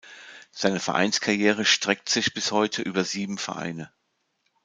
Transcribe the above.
Seine Vereinskarriere streckt sich, bis heute, über sieben Vereine.